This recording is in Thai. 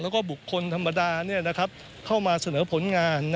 แล้วก็บุคคลธรรมดาเข้ามาเสนอผลงาน